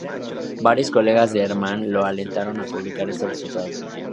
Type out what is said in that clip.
Varios colegas de Hermann lo alentaron a publicar estos resultados.